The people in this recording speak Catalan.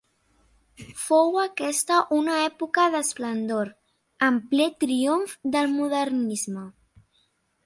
Fou aquesta una època d'esplendor, en ple triomf del modernisme.